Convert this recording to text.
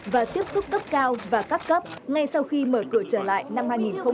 và tiếp xúc cấp cao và các cấp ngay sau khi mở cửa trở lại năm hai nghìn hai mươi